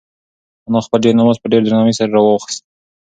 انا خپل جاینماز په ډېر درناوي سره راواخیست.